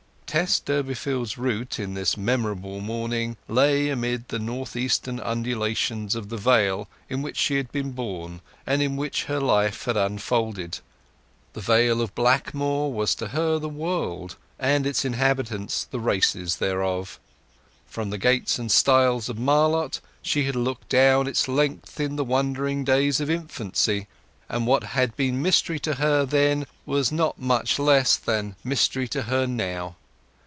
Tess Durbeyfield's route on this memorable morning lay amid the north eastern undulations of the Vale in which she had been born, and in which her life had unfolded. The Vale of Blackmoor was to her the world, and its inhabitants the races thereof. From the gates and stiles of Marlott she had looked down its length in the wondering days of infancy, and what had been mystery to her then was not much less than mystery to her now.